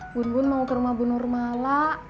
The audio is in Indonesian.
bun bun mau ke rumah bu nurmala